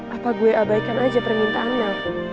apa gue abaikan aja permintaan lo